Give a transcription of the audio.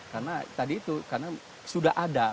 karena tadi itu karena sudah ada